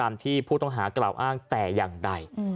ไม่เป็นไปตามที่ผู้ต้องหากล่าวอ้างแต่อย่างใด